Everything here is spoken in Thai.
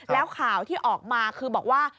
แล้วข่าวที่ออกมาคือบอกว่า